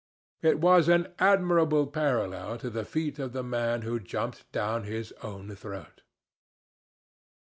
It was an admirable parallel to the feat of the man who jumped down his own throat.